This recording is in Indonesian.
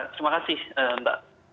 terima kasih mbak